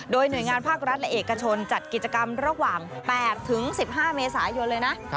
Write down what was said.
โดยหน่วยงานภาครัฐและเอกชนจัดกิจกรรมระหว่าง๘๑๕เมษายนเลยนะ